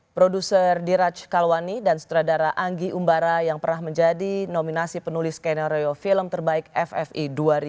produser diraj kalwani dan sutradara anggi umbara yang pernah menjadi nominasi penulis skenario film terbaik ffi dua ribu dua puluh